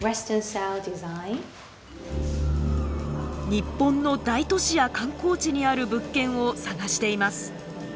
日本の大都市や観光地にある物件を探しています。